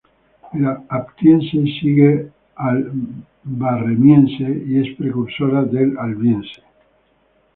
El Aptiense sigue al Barremiense y es precursora del Albiense.